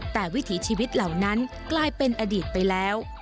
แต่วิถีชีวิตเหล่านั้นกลายเป็นอดีตไปแล้ว